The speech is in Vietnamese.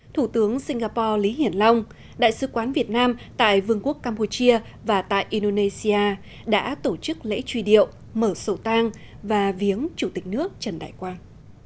thủ tướng singapore lý hiển long đại sứ quán việt nam tại vương quốc campuchia và tại indonesia đã tổ chức lễ truy điệu mở sổ tang và viếng chủ tịch nước trần đại quang